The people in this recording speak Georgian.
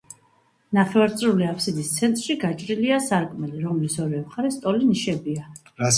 ნახევარწრიული აფსიდის ცენტრში გაჭრილია სარკმელი, რომლის ორივე მხარეს ტოლი ნიშებია.